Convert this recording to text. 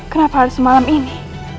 kenapa harus malam ini